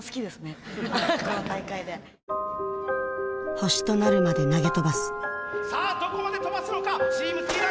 星となるまで投げ飛ばすさあどこまで跳ばすのかチームＴ大。